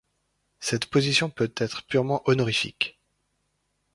Cette position peut être purement honorifique.